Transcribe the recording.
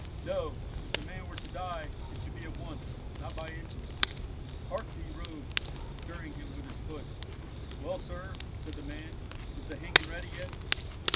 "No, if the man were to die, it should be at once, not by inches. Hark thee, rogue!" stirring him with his foot. "Well, sir," said the man, "is the hanging ready yet?